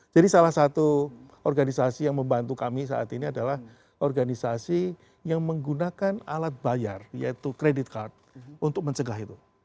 jadi salah satu organisasi yang membantu kami saat ini adalah organisasi yang menggunakan alat bayar yaitu credit card untuk mencegah itu